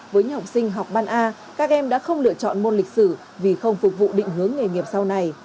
với những học sinh học ban a các em đã không lựa chọn môn lịch sử vì không phục vụ định hướng nghề nghiệp sau này